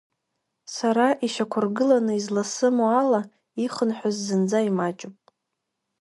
Сара ишьақәыргыланы изласымоу ала, ихынҳәыз зынӡа имаҷуп.